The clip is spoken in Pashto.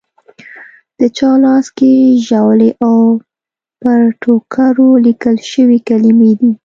د چا لاس کې ژاولي او پر ټوکرو لیکل شوې کلیمې دي.